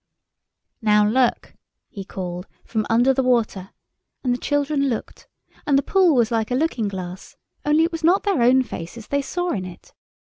"Now look," he called from under the water, and the children looked, and the pool was like a looking glass, only it was not their own faces they saw in it.